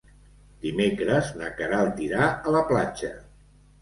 Dimecres na Queralt irà a la platja.